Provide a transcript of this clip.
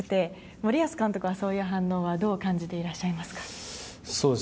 森保監督はそういう反応はどう感じてらっしゃいますか？